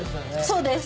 そうです。